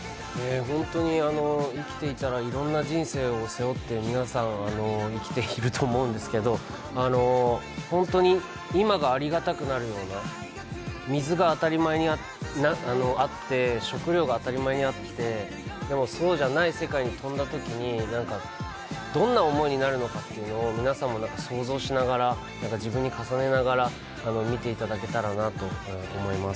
本当に生きていたらいろんな人生を背負って皆さん生きていると思うんですけれども、本当に今がありがたくなるような、水が当たり前にあって、食料が当たり前にあって、でもそうじゃない世界にとんだときにどんな思いになるのかを皆さんも想像しながら自分に重ねながら見ていただけたらなと思います。